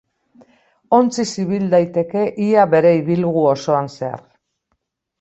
Ontziz ibil daiteke ia bere ibilgu osoan zehar.